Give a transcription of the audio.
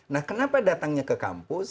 nah kenapa datangnya ke kampus